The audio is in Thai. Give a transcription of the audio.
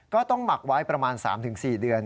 หมักไว้ประมาณ๓๔เดือน